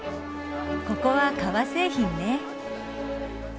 ここは革製品ね。